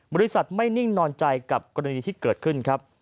บริษัทไม่นิ่งนอนใจกับกรณีที่เกิดขึ้นครับ